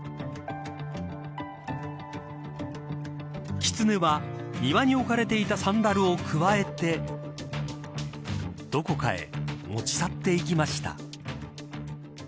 キツネは庭に置かれていたサンダルをくわえてどこかへ持ち去っていきました。